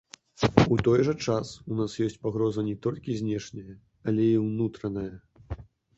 У той жа час у нас ёсць пагроза не толькі знешняя, але і ўнутраная.